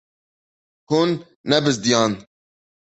Hûn nebizdiyan.